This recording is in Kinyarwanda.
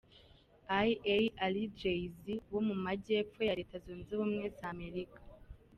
I a ari Jay-Z wo mu majyepfo ya Reta zunze ubumwe za Amerika.